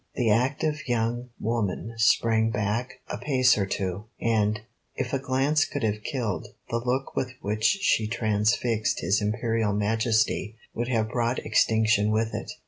The active young woman sprang back a pace or two, and, if a glance could have killed, the look with which she transfixed his Imperial Majesty would have brought extinction with it.